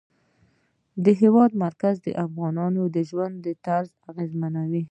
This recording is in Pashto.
د هېواد مرکز د افغانانو د ژوند طرز اغېزمنوي.